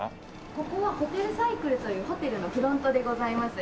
ここはホテルサイクルというホテルのフロントでございます。